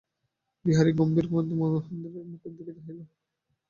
বিহারী গম্ভীরভাবে মহেন্দ্রের মুখের দিকে চাহিল।